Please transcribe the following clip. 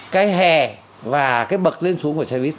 cái hè và cái bậc lên xuống của xe buýt